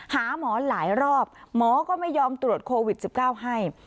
หาหมอหลายรอบหมอก็ไม่ยอมตรวจโควิด๑๙ให้